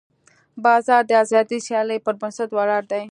بازار د ازادې سیالۍ پر بنسټ ولاړ دی.